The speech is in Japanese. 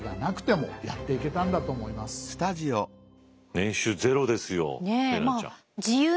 年収０ですよ怜奈ちゃん。